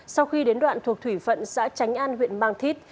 sau khi đến đoạn thuộc thủy phận xã tránh an huyện mang thít